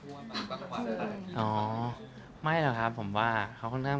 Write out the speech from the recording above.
แล้วมีห่วงไหมครับที่แบบถ้าสมมติจะต้องไปทัวร์มาสังขวาได้ต่าง